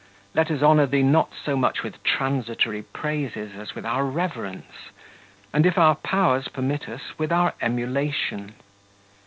Let us honour thee not so much with transitory praises as with our reverence, and, if our powers permit us, with our emulation.